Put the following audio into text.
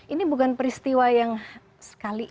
ini bukan peristiwa yang sekali